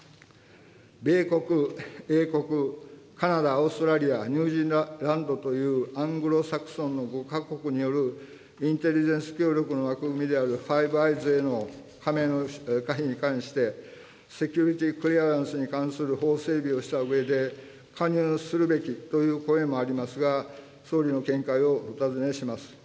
米国、英国、カナダ、オーストラリア、ニュージーランドというアングロサクソンの５か国によるインテリジェンス協力の枠組みであるファイブ・アイズへの加盟の可否に関して、セキュリティー・クリアランスに関する法整備をしたうえで、加入するべきという声もありますが、総理の見解をお尋ねします。